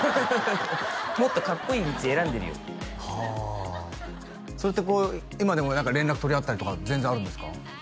もっとカッコイイ道選んでるよはあそうやってこう今でも何か連絡取り合ったりとか全然あるんですか？